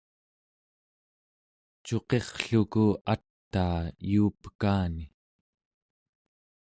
cuqirrluku ataa yuupeka'ani